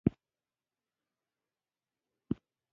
فزیک طبابت ته مرسته کوي.